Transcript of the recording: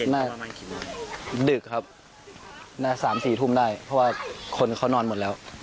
ติดติดครับใน๓๔ทุ่มได้เพราะว่าคนเขานอนหมดแล้ว